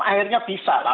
akhirnya bisa lah